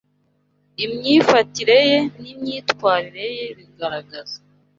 imyifatire ye n’imyitwarire ye bigaragaza